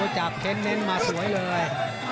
จากเค็นเล็งมาสวยเลย